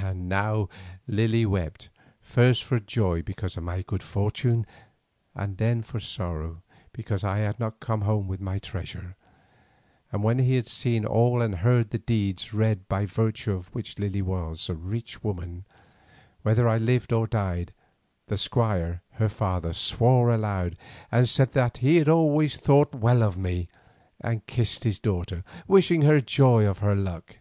And now Lily wept, first for joy because of my good fortune, and then for sorrow because I had not come with my treasure, and when he had seen all and heard the deeds read by virtue of which Lily was a rich woman whether I lived or died, the Squire her father swore aloud and said that he had always thought well of me, and kissed his daughter, wishing her joy of her luck.